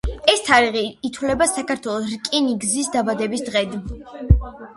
ეს თარიღი ითვლება საქართველოს რკინიგზის „დაბადების დღედ“.